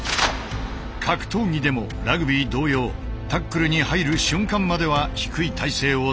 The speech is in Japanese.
格闘技でもラグビー同様タックルに入る瞬間までは低い体勢をとらない。